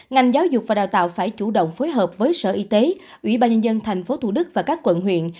ngành giáo dục và đào tạo phải chủ động phối hợp với sở y tế ủy ban nhân dân tp thủ đức và các quận huyện